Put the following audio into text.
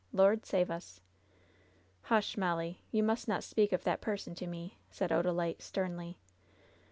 Lord save us !" "Hush, Molly. You must not speak of that person to me," said Odalite, sternly.